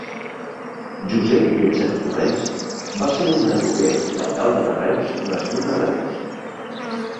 Josep Lletget Torrents va ser un adroguer i alcalde de Reus nascut a Reus.